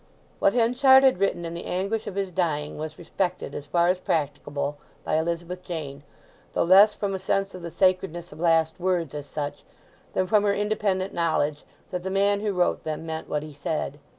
What Henchard had written in the anguish of his dying was respected as far as practicable by Elizabeth Jane, though less from a sense of the sacredness of last words, as such, than from her independent knowledge that the man who wrote them meant what he said.